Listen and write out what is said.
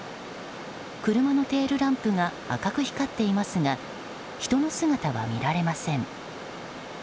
車のテールランプが赤く光っていますが人の姿は見られません。